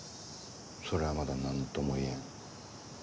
それはまだなんとも言えん。